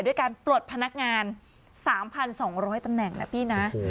ด้วยการปลดพนักงาน๓๒๐๐ตำแหน่งนะพี่นะ